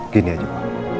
gini aja pak